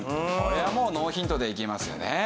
これはもうノーヒントでいけますよね。